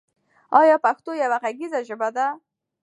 آیا پښتو یوه غږیزه ژبه ده؟